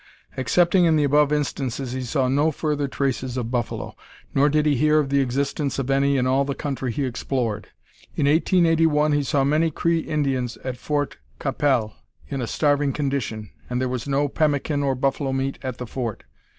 Excepting in the above instances he saw no further traces of buffalo, nor did he hear of the existence of any in all the country he explored. In 1881 he saw many Cree Indians at Fort Qu'Appelle in a starving condition, and there was no pemmican or buffalo meat at the fort.